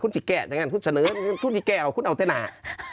คุณจะแก้คุณเสนอคุณจะแก้คุณเอาแต่หนา